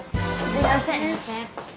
すいません。